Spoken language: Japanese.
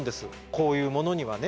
こういうものにはね。